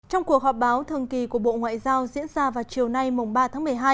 trong cuộc họp báo thường kỳ của bộ ngoại giao diễn ra vào chiều nay mùng ba tháng một mươi hai